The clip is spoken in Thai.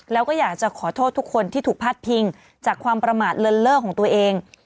แล้วก็อยากจะขอโทษทุกคนที่ถูกพาดพิงจากความประมาทเลินเล่อของตัวเอง